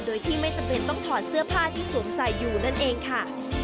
โดยที่ไม่จำเป็นต้องถอดเสื้อผ้าที่สวมใส่อยู่นั่นเองค่ะ